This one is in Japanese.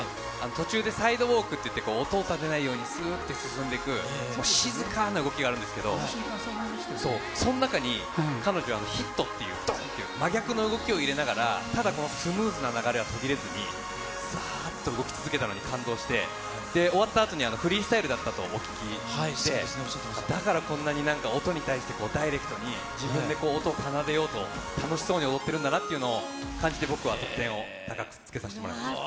途中でサイドウォークっていって、音を立てないように、すーっと進んでいく、静かな動きがあるんですけど、その中に、彼女はヒットっていう、どんという真逆の動きを入れながら、ただスムーズな流れは途切れずに、さーっと動き続けたのに感動して、で、終わったあとに、フリースタイルだったとお聞きして、だからこんなになんか、音に対して、ダイレクトに自分で音を奏でようと、楽しそうに踊ってるんだなっていうのを感じて、僕は得点を高くつけさせてもらいました。